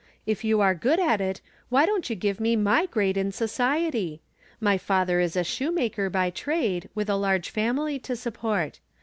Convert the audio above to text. If you are good at it, won't you give me my grade in society ? My father is a shoemaker by trade, with a large family to support.